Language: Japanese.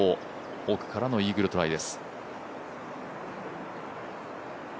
奥からのイーグルトライです。